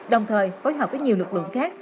đồng thời phối hợp với nhiều lực lượng khác